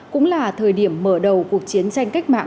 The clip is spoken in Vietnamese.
cũng là thời điểm mở đầu cuộc chiến tranh cách mạng